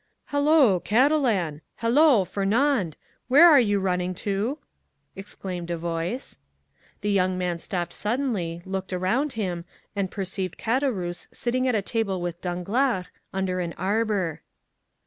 "Hallo, Catalan! Hallo, Fernand! where are you running to?" exclaimed a voice. The young man stopped suddenly, looked around him, and perceived Caderousse sitting at table with Danglars, under an arbor.